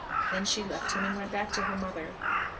Then she left him, and went back to her mother.